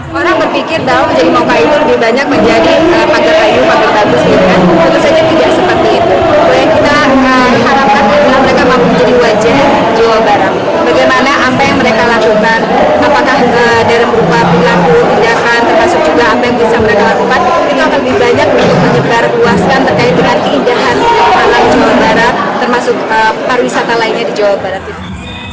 jangan lupa untuk berlangsung di jawa barat termasuk para wisata lainnya di jawa barat